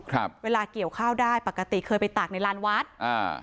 ครับเวลาเกี่ยวข้าวได้ปกติเคยไปตากในลานวัดอ่า